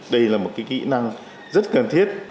đây là một cái kỹ năng rất cần thiết